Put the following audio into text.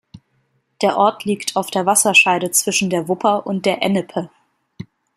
Der Ort liegt auf der Wasserscheide zwischen der Wupper und der Ennepe.